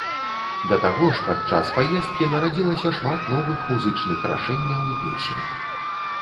Да таго ж пад час паездкі нарадзілася шмат новых музычных рашэнняў і песень.